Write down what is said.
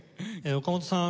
岡本さん